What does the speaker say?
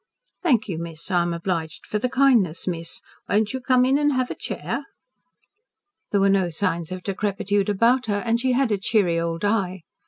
"Thank you, miss, I am obliged for the kindness, miss. Won't you come in and have a chair?" There were no signs of decrepitude about her, and she had a cheery old eye.